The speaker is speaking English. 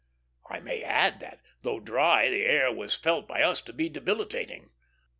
I may add that, though dry, the air was felt by us to be debilitating.